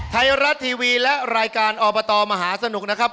ไทยรัฐทีวีและรายการอบตมหาสนุกนะครับ